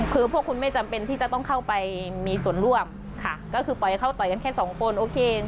คือพวกคุณไม่จำเป็นที่จะต้องเข้าไปมีส่วนร่วมค่ะก็คือปล่อยเข้าต่อยกันแค่สองคนโอเค